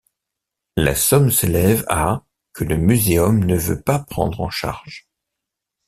La somme s'élève à que le Muséum ne veut pas prendre en charge.